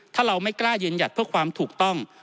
ถ้าเราไม่กล้ายืนหยัดเพื่อความถูกต้อง